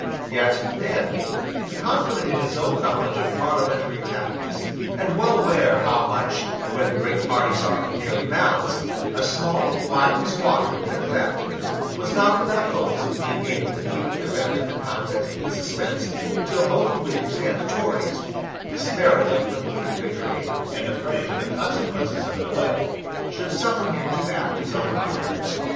Yet Danby, confident in his own knowledge of parliamentary tactics, and well aware how much, when great parties are nearly balanced, a small flying squadron can effect, was not without hopes of being able to keep the event of the contest in suspense till both Whigs and Tories, despairing of complete victory, and afraid of the consequences of delay, should suffer him to act as umpire.